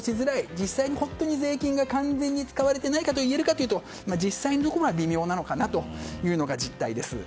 実際に税金が完全に使われていないかというと実際のところは微妙なのかなというのが実態です。